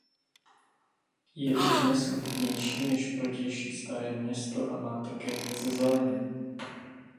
Je i dnes klidnější než protější Staré Město a má také více zeleně.